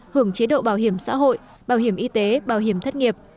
hưởng chế độ bảo hiểm xã hội bảo hiểm y tế bảo hiểm thất nghiệp